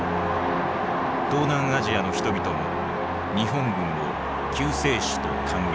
東南アジアの人々も日本軍を救世主と歓迎した。